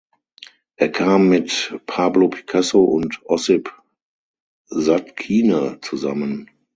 Er kam mit Pablo Picasso und Ossip Zadkine zusammen.